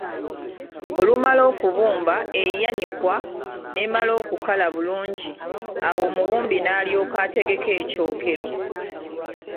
Olumala okubumba eyanikwa neemala okukala bulungi awo omubumbi n’alyoka ategeka ekyokero.